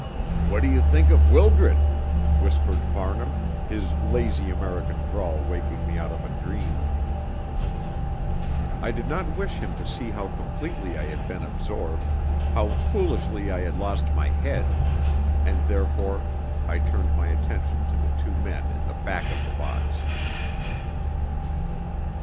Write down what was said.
"What do you think of Wildred?" whispered Farnham, his lazy American drawl waking me out of a dream. I did not wish him to see how completely I had been absorbed, how foolishly I had lost my head, and therefore I turned my attention to the two men in the back of the box.